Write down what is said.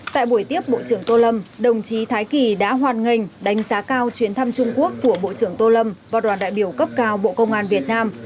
tại buổi tiếp bộ trưởng tô lâm đồng chí thái kỳ đã hoàn ngành đánh giá cao chuyến thăm trung quốc của bộ trưởng tô lâm và đoàn đại biểu cấp cao bộ công an việt nam